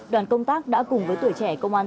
đoàn công tác đã cùng với tuổi trẻ công an